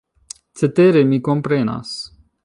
Cetere mi komprenas!